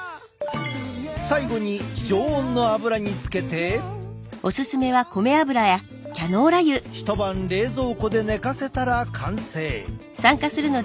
最後に常温の油につけて一晩冷蔵庫で寝かせたら完成。